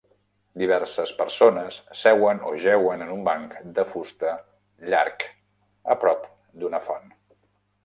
Diverses persones seuen o jeuen en un banc de fusta llarg a prop d'una font.